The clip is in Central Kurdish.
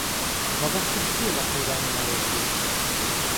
مەبەستت چییە لە قەیرانی ناوەکی؟